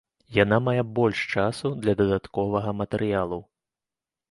Яна мае больш часу для дадатковага матэрыялу.